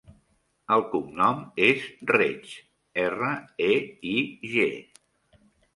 El cognom és Reig: erra, e, i, ge.